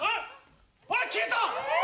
あっ消えた！